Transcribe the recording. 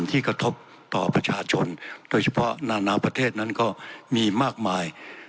กระทบต่อประชาชนโดยเฉพาะนานาประเทศนั้นก็มีมากมาย